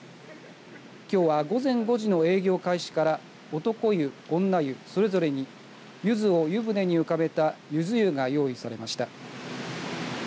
きょうは午前５時の営業開始から男湯、女湯それぞれにゆずを湯船に浮かべたゆず湯が用意されました。